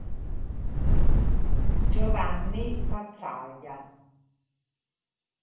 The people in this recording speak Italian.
Giovanni Pazzaglia